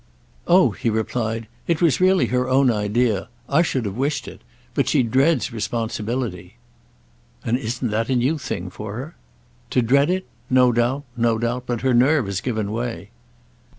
"Oh," he replied, "it was really her own idea. I should have wished it. But she dreads responsibility." "And isn't that a new thing for her?" "To dread it? No doubt—no doubt. But her nerve has given way."